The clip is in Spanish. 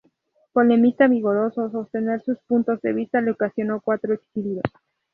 Polemista vigoroso, sostener sus puntos de vista le ocasionó cuatro exilios.